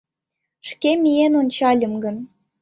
Шке миен ончальым гын